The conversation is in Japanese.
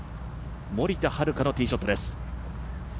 森田遥のティーショットです。